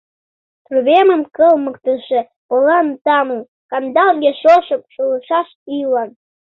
Тӱрвемым кылмыктыше полан тамым — Кандалге шошым шулышаш ийлан.